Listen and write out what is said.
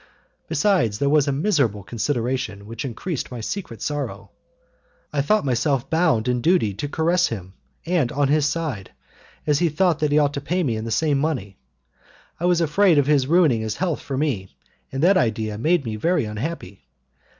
Besides, there was a miserable consideration which increased my secret sorrow. I thought myself bound in duty to caress him, and on his side, as he thought that he ought to pay me in the same money, I was afraid of his ruining his health for me, and that idea made me very unhappy.